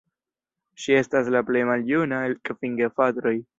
Ŝi estas la plej maljuna el kvin gefratoj.